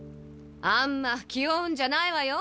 あんま気負うんじゃないわよ。